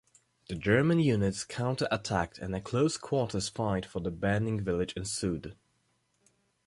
The German units counter-attacked and a close-quarters fight for the burning village ensued.